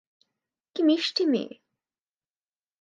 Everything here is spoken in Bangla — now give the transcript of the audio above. কি মিষ্টি মেয়ে।